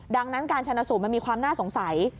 ดังนั้นการชนะสูตรมันมีความน่าสงสัย